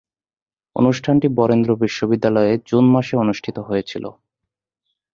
অনুষ্ঠানটি বরেন্দ্র বিশ্ববিদ্যালয়ে জুন মাসে অনুষ্ঠিত হয়েছিলো।